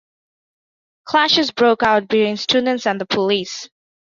Clashes broke out between students and the police.